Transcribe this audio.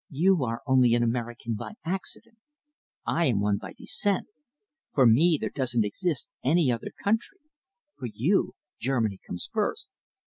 You are only an American by accident. I am one by descent. For me there doesn't exist any other country. For you Germany comes first."